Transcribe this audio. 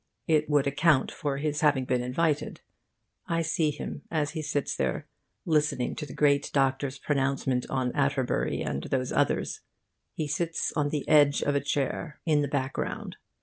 It would account for his having been invited. I see him as he sits there listening to the great Doctor's pronouncement on Atterbury and those others. He sits on the edge of a chair in the background.